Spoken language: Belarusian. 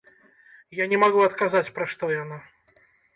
Я не магу адказаць, пра што яна.